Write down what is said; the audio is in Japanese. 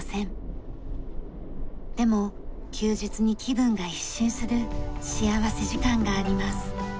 でも休日に気分が一新する幸福時間があります。